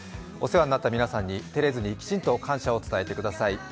お世話になった皆さんに、てれずにきちんと感謝を伝えてください。